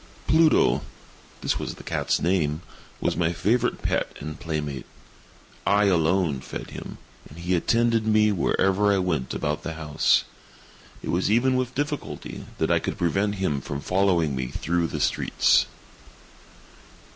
Pluto—this was the cat's name—was my favorite pet and playmate. I alone fed him, and he attended me wherever I went about the house. It was even with difficulty that I could prevent him from following me through the streets.